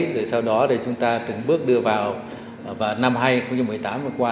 rồi sau đó chúng ta từng bước đưa vào vào năm hai nghìn một mươi tám và qua